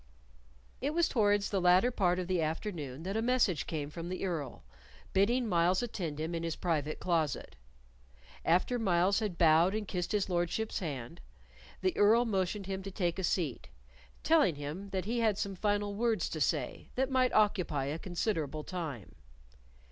It was towards the latter part of the afternoon that a message came from the Earl, bidding Myles attend him in his private closet. After Myles had bowed and kissed his lordship's hand, the Earl motioned him to take a seat, telling him that he had some final words to say that might occupy a considerable time.